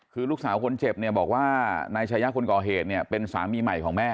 คือลูกสาวคนเจ็บเนี่ยบอกว่านายชายะคนก่อเหตุเนี่ยเป็นสามีใหม่ของแม่